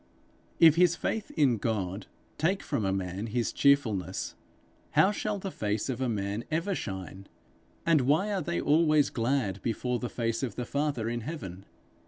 If his faith in God take from a man his cheerfulness, how shall the face of a man ever shine? And why are they always glad before the face of the Father in heaven?